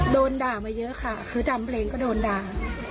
โดนด่ามาเยอะค่ะคือดำเพลงก็โดนด่า